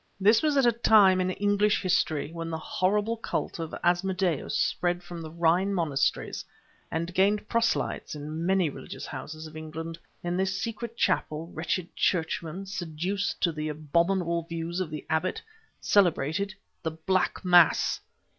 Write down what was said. This was at a time in English history when the horrible cult of Asmodeus spread from the Rhine monasteries and gained proselytes in many religious houses of England. In this secret chapel, wretched Churchmen, seduced to the abominable views of the abbot, celebrated the Black Mass!"